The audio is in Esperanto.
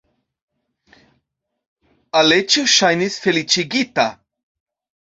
Aleĉjo ŝajnis feliĉigita.